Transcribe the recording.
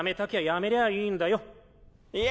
やめりゃいいんだよっ。